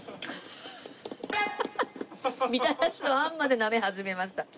ハハッみたらしのあんまでなめ始めました。